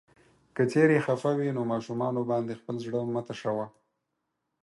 که چيرې خفه وې نو ماشومانو باندې خپل زړه مه تشوه.